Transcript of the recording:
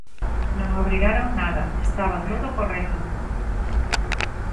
Non obrigaron nada, estaba todo correcto.